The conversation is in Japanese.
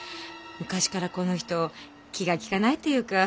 昔からこの人気が利かないっていうか。